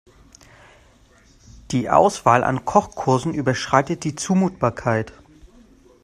Die Auswahl an Kochkursen überschreitet die Zumutbarkeit.